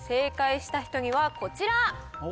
正解した人にはこちら。